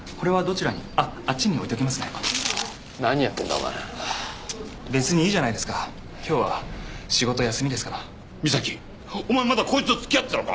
お前別にいいじゃないですか今日は仕事休みですから美咲お前まだこいつとつきあってたのか？